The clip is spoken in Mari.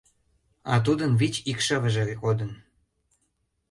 А тудын вич икшывыже кодын.